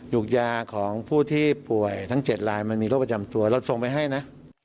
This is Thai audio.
กยาของผู้ที่ป่วยทั้ง๗ลายมันมีโรคประจำตัวเราส่งไปให้นะ